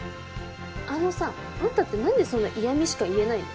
あのさあんたって何でそんな嫌みしか言えないの？